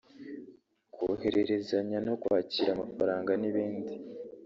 kohererezanya no kwakira amafaranga n’ibindi